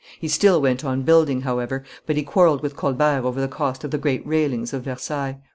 He still went on building, however; but he quarrelled with Colbert over the cost of the great railings of Versailles.